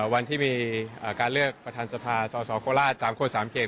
วันที่มีการเลือกประธานสภาสสโคราช๓คน๓เขต